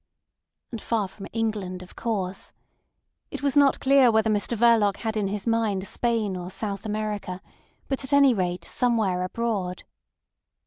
And far from England, of course. It was not clear whether Mr Verloc had in his mind Spain or South America; but at any rate somewhere abroad.